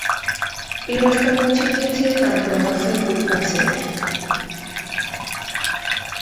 এই রাস্তা পৌঁছে গিয়েছে কারাকোরাম পাসের খুব কাছে।